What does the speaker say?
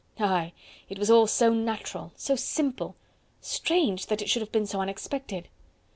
Aye! it was all so natural, so simple! Strange that it should have been so unexpected!